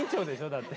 だって。